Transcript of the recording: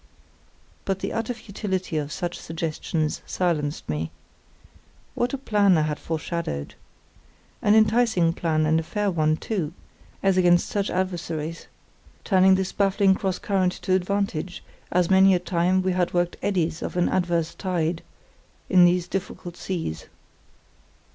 But the utter futility of such suggestions silenced me. What a plan I had foreshadowed! An enticing plan and a fair one, too, as against such adversaries; turning this baffling cross current to advantage as many a time we had worked eddies of an adverse tide in these difficult seas.